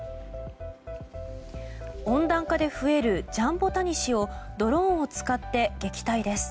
温暖化で増えるジャンボタニシをドローンを使って撃退です。